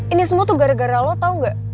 ini semua tuh gara gara lo tau gak